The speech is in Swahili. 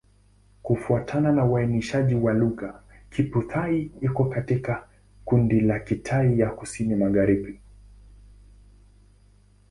Kufuatana na uainishaji wa lugha, Kiphu-Thai iko katika kundi la Kitai ya Kusini-Magharibi.